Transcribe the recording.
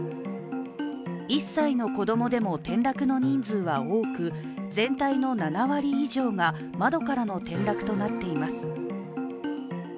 １歳の子供でも転落の人数は多く全体の７割以上が窓からの転落となっています。